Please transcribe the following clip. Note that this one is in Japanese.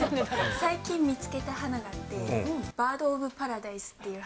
最近見つけた花があって、バード・オブ・パラダイスっていう花。